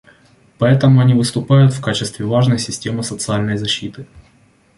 Поэтому они выступают в качестве важной системы социальной защиты.